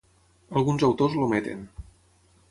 Alguns autors l'ometen.